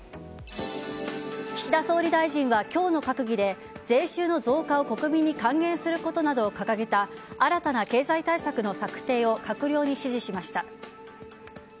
岸田総理大臣は今日の閣議で税収の増加を国民に還元することなどを掲げた新たな経済対策の策定を閣僚に指示しました。